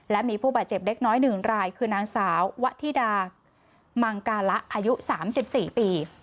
และมีผู้บาดเจ็บเล็กน้อยหนึ่งรายคือนางสาววะธิดามังกาละอายุสามสิบสี่ปี